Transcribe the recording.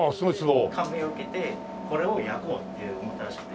それで感銘を受けてこれを焼こうって思ったらしくて。